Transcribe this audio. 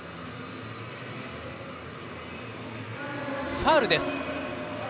ファウルです。